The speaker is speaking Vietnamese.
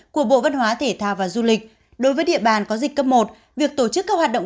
của bộ văn hóa thể thao và du lịch đối với địa bàn có dịch cấp một việc tổ chức các hoạt động